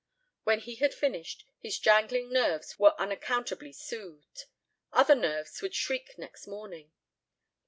When he had finished, his jangling nerves were unaccountably soothed. Other nerves would shriek next morning.